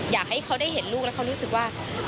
อยากให้เขาได้เห็นลูกแล้วเขารู้สึกว่า